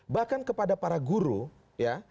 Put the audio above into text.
bahkan kepada para guru ya